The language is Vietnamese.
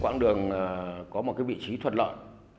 quán đường có một cái vị trí thuật lợi